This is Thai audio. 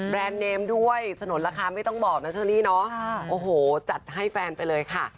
เนมด้วยสนุนราคาไม่ต้องบอกนะเชอรี่เนาะโอ้โหจัดให้แฟนไปเลยค่ะ